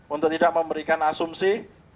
untuk tidak memberikan asumsi